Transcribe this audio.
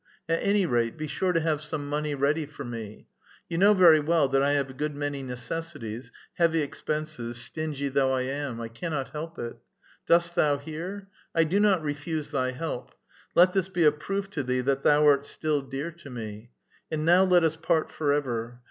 At any rate, be Bure to have some money ready for me. You know ver}' well that I have a good many necessities, heavy expenses, stingy though I am ; I cannot help it. Dost thou hear ? I do not refuse thy help. Let this be a proof to thee that thou art still dear to me. And now let us part forever.